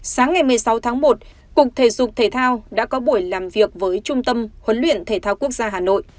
sáng ngày một mươi sáu tháng một cục thể dục thể thao đã có buổi làm việc với trung tâm huấn luyện thể thao quốc gia hà nội